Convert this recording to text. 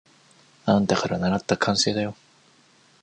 あんたからならった慣習だよ。